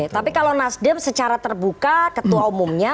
tapi kalau nasdem secara terbuka ketua umumnya